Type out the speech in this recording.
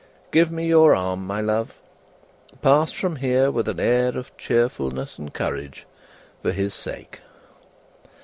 "Give me your arm, my love. Pass from here with an air of cheerfulness and courage, for his sake.